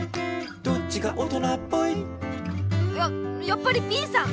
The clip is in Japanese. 「どっちが大人っぽい？」ややっぱりＢさん！